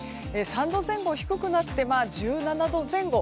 ３度前後低くなって１７度前後。